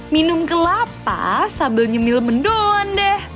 minum kelapa sambil nyemil mendoan deh